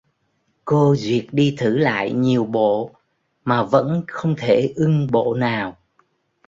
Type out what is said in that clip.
Cô duyệt đi thử lại nhiều bộ mà vẫn không thể ưng bộ nào